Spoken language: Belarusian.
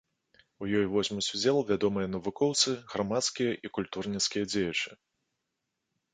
У ёй возьмуць удзел вядомыя навукоўцы, грамадскія і культурніцкія дзеячы.